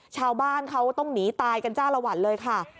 ชาวบ้านเขาต้องหนีตายกันจ้าละวันเลยค่ะ